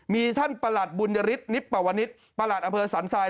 มีท่านประหลัดบุญยฤทธนิปปวนิษฐ์ประหลัดอำเภอสันทราย